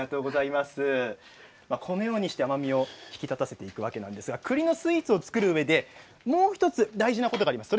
このようにして甘みを引き立たせていくわけですが栗のスイーツを作るうえでもう１つ大事なことがあります。